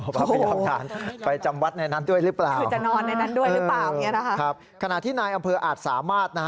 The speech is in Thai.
โอ้โฮไปยอมทานไปจำวัดในนั้นด้วยหรือเปล่า